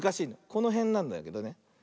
このへんなんだけどね。